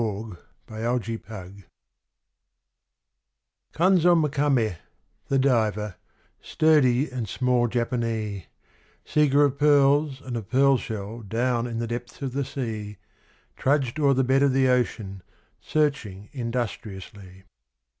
The Pearl Diver Kanzo Makame, the diver, sturdy and small Japanee, Seeker of pearls and of pearl shell down in the depths of the sea, Trudged o'er the bed of the ocean, searching industriously.